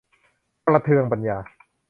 ประเทืองปัญญา